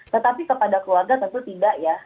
tetapi kepada keluarga tentu tidak ya